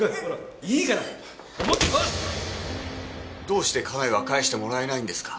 どうして家内は帰してもらえないんですか？